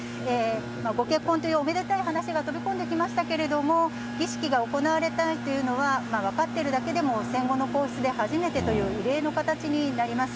ご結婚というおめでたいお話が飛び込んできましたけれども、儀式が行われないというのは、分かっているだけでも、戦後の皇室で初めてという、異例の形になります。